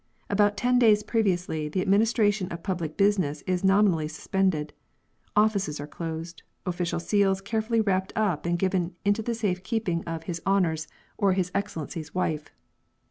About ten days previously the administration of public business is nominally sus pended ; offices are closed, official seals carefully wrapped up and given into the safe keeping of His * The title of Mr Medhiirst's work.